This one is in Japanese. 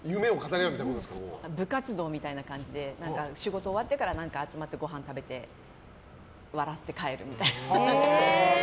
部活動みたいな感じで仕事終わってから集まってごはん食べて笑って帰るみたいな。